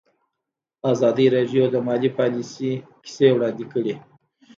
ازادي راډیو د مالي پالیسي کیسې وړاندې کړي.